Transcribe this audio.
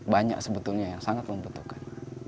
banyak sebetulnya yang sangat membutuhkan